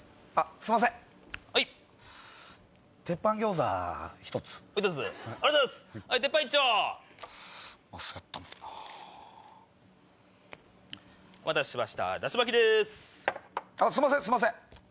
すいませんすいません！